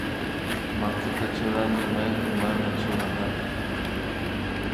Makita churanki maypi mana churanapi